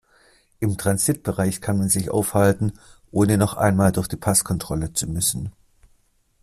Im Transitbereich kann man sich aufhalten, ohne noch einmal durch die Passkontrolle zu müssen.